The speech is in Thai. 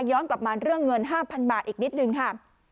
ย้อนกลับมาเรื่องเงิน๕๐๐บาทอีกนิดนึงค่ะ